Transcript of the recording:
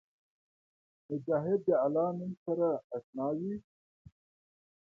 مجاهد د الله د نوم سره اشنا وي.